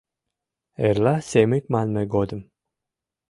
Эрла Семык манме годым